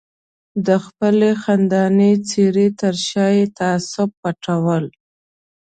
د خپلې خندانې څېرې تر شا یې تعصب پټول.